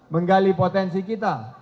menggali potensi kita